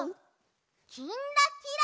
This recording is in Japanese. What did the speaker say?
「きんらきら」。